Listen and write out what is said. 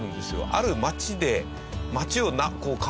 ある町で。